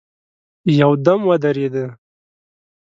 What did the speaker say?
يودم ودرېده.